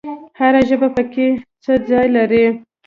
هر ژبه پکې څه ځای لري؟